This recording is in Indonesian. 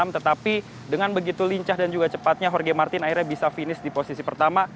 tetapi dengan begitu lincah dan juga cepatnya jorge martin akhirnya bisa finish di posisi pertama